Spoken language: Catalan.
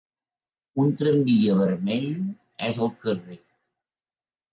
Un tramvia vermell és al carrer.